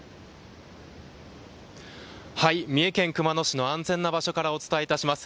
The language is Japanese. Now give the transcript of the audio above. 三重県熊野市の安全な場所からお伝えいたします。